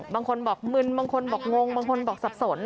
บางคนบอกมึนบางคนบอกงงบางคนบอกสับสน